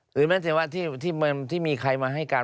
แม้แต่ว่าที่มีใครมาให้การ